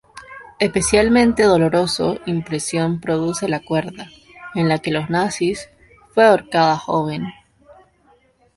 Especialmente doloroso impresión produce la cuerda, en la que los nazis fue ahorcada joven.